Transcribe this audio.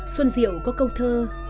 xuân diệu có câu thơ